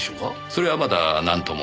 それはまだなんとも。